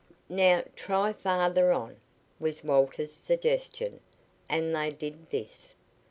"Now try farther on," was Walter's suggestion, and they did this.